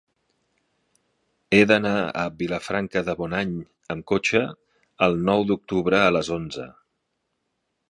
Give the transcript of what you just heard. He d'anar a Vilafranca de Bonany amb cotxe el nou d'octubre a les onze.